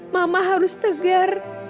mama harus tegar